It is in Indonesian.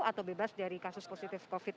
atau bebas dari kasus positif covid sembilan